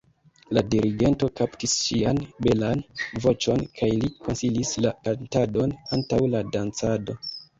La dirigento kaptis ŝian belan voĉon kaj li konsilis la kantadon antaŭ la dancado.